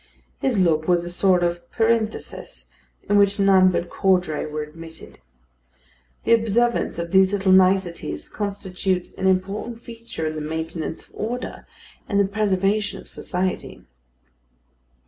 His look was a sort of parenthesis in which none but Caudray were admitted. The observance of these little niceties constitutes an important feature in the maintenance of order and the preservation of society.